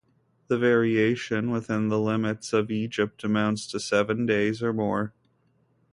The variation within the limits of Egypt amounts to seven days or more.